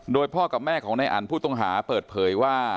โดยพ่อกับแม่ของนายอันผู้ต้องหาเปิดเผยว่า